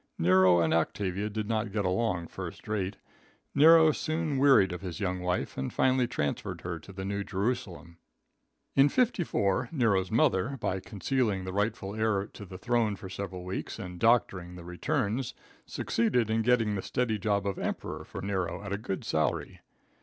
Nero and Octavia did not get along first rate. Nero soon wearied of his young wife and finally transferred her to the New Jerusalem. In 54, Nero's mother, by concealing the rightful heir to the throne for several weeks and doctoring the returns, succeeded in getting the steady job of Emperor for Nero at a good salary.